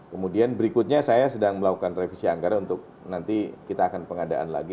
kemudian berikutnya saya sedang melakukan revisi anggaran untuk nanti kita akan pengadaan lagi